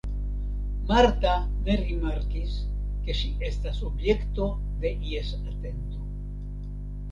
Marta ne rimarkis, ke ŝi estas objekto de ies atento.